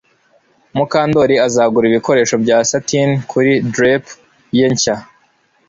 Mukandoli azagura ibikoresho bya satin kuri drape ye nshya